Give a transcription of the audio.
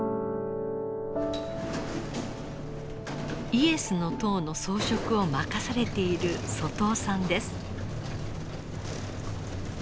イエスの塔の装飾を任されている外尾さんです。